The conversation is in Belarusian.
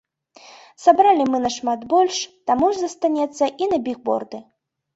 Сабралі мы нашмат больш, таму застанецца і на бігборды.